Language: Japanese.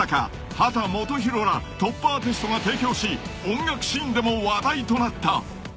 秦基博らトップアーティストが提供し音楽シーンでも話題となった］